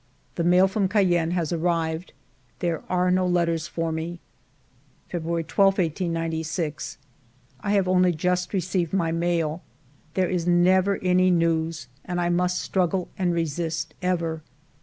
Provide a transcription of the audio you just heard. The mail from Cayenne has arrived. There are no letters for me. February 12, 1896. I have only just received my mail. There is never any news, and I must struggle and resist ever.